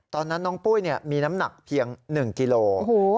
ตอนนั้นน้องปุ้ยมีน้ำหนักเพียง๑กิโล